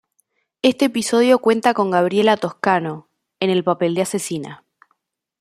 Este episodio cuenta con Gabriela Toscano, en el papel de asesina.